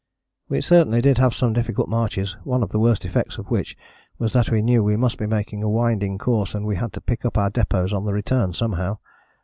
We certainly did have some difficult marches, one of the worst effects of which was that we knew we must be making a winding course and we had to pick up our depôts on the return somehow.